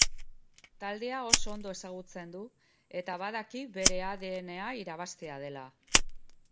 Taldea oso ondo ezagutzen du eta badaki gure adn-a irabaztea dela.